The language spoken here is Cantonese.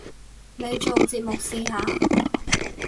你做節目試下